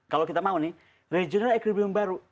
kalau kita mau nih regional equiprium baru